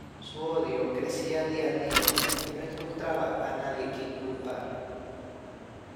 Su odio crecía día a día y no encontraba a nadie quien culpar.